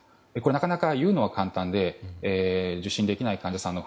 なかなかいうのは簡単で受診できない患者さん